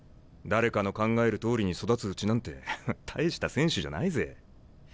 誰かの考えるとおりに育つうちなんて大した選手じゃないぜ。